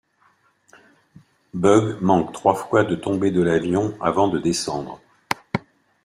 Bugs manque trois fois de tomber de l'avion avant de descendre.